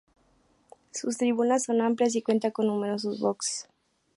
Sus tribunas son amplias y cuenta con numerosos boxes.